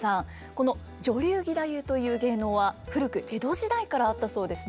この女流義太夫という芸能は古く江戸時代からあったそうですね。